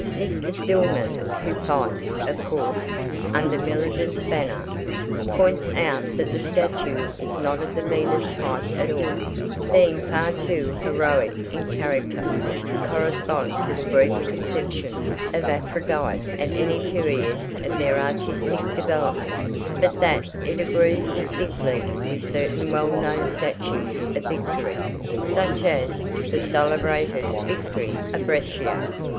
Mr. Stillman, who fights, of course, under Millingen's banner, points out that the statue is not of the Venus type at all, being far too heroic in character to correspond to the Greek conception of Aphrodite at any period of their artistic development, but that it agrees distinctly with certain well known statues of Victory, such as the celebrated 'Victory of Brescia.'